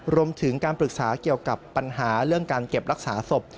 รวมถึงการปรึกษาเกี่ยวกับปัญหาเรื่องการเก็บรักษาศพ